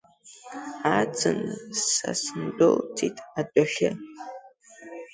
Аӡын Са сындәылҵит адәахьы…